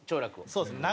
そうです